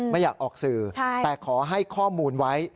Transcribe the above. ไม่อยากออกสื่อแต่ขอให้ข้อมูลไว้